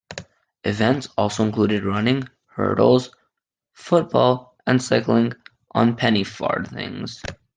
Events also included running, hurdles, football and cycling on penny farthings.